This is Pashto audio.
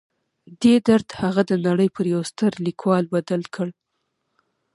دې درد هغه د نړۍ پر یوه ستر لیکوال بدل کړ